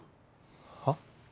はっ？